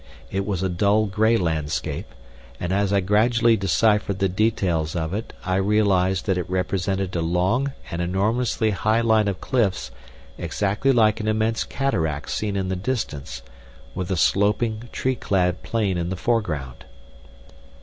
It was a dull gray landscape, and as I gradually deciphered the details of it I realized that it represented a long and enormously high line of cliffs exactly like an immense cataract seen in the distance, with a sloping, tree clad plain in the foreground.